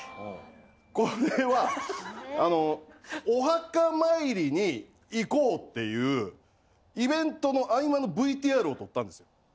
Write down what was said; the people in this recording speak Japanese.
これはお墓参りに行こうっていうイベントの合間のＶＴＲを撮ったんですよ。